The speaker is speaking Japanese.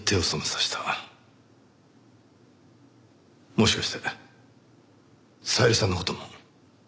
もしかして小百合さんの事も？